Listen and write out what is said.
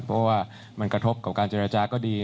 เพราะว่ามันกระทบกับการเจรจาก็ดี